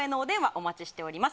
お待ちしております。